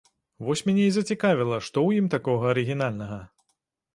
Вось мяне і зацікавіла, што ў ім такога арыгінальнага?